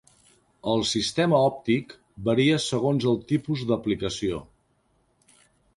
El sistema òptic varia segons el tipus d'aplicació.